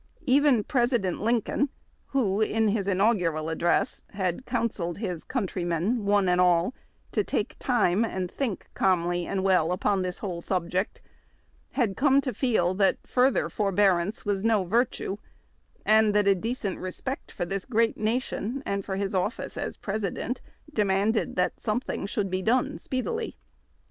Even President Lincoln, who, in his inaugural address, had counselled his '"• countrymen, one and all, to take time and think calmly and well upon this whole subject," had come to feel that further forbearance was no virtue, and that a decent respect for this great nation and for his office as Pres ident demanded that something sliould be done speedily.